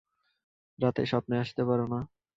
রাতে স্বপ্নে আসতে পারো না?